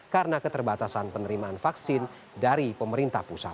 karena keterbatasan penerimaan vaksin dari pemerintah pusat